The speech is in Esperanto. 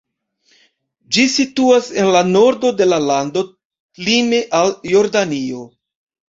Ĝi situas en la nordo de la lando lime al Jordanio.